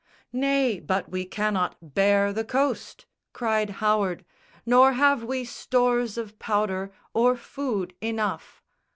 "Nay; but we cannot bare the coast," cried Howard, "Nor have we stores of powder or food enough!"